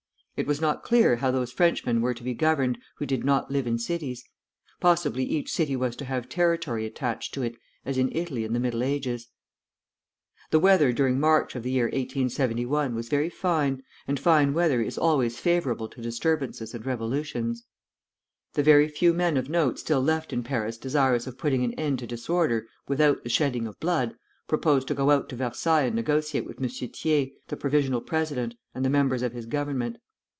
It was not clear how those Frenchmen were to be governed who did not live in cities; possibly each city was to have territory attached to it, as in Italy in the Middle Ages. The weather during March of the year 1871 was very fine, and fine weather is always favorable to disturbances and revolutions. The very few men of note still left in Paris desirous of putting an end to disorder without the shedding of blood, proposed to go out to Versailles and negotiate with M. Thiers, the provisional president, and the members of his Government.